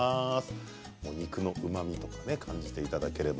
肉のうまみとか感じていただければ。